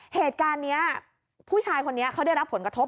เหตุการณ์นี้ผู้ชายคนนี้เขาได้รับผลกระทบ